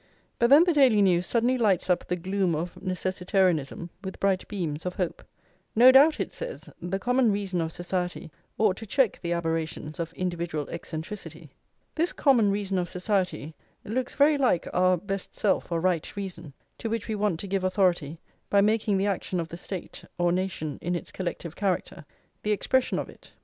But then the Daily News suddenly lights up the gloom of necessitarianism with bright beams of hope. "No doubt," it says, "the common reason of society ought to check the aberrations of individual eccentricity." This common reason of society looks very like our best self or right reason, to which we want to give authority, by making the action of the State, or nation in its collective character, the expression of it.